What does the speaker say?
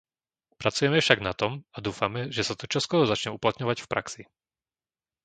Pracujeme však na tom a dúfame, že sa to čoskoro začne uplatňovať v praxi.